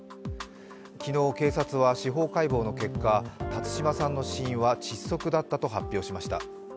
昨日、警察は司法解剖の結果、辰島さんの死因は窒息だったと発表しました。